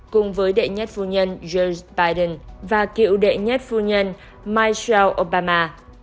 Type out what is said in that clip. cùng với đệ nhất phu nhân george biden và kiểu đệ nhất phu nhân michelle obama